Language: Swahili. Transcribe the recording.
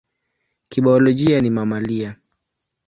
Kibiolojia ni mamalia.